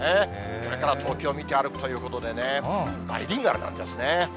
これから東京見て歩くということでね、バイリンガルなんですね。